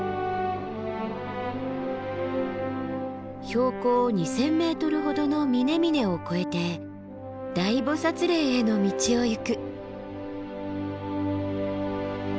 標高２，０００ｍほどの峰々を越えて大菩嶺への道を行く。